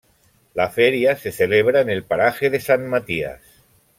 La feria se celebra en el paraje de San Matías.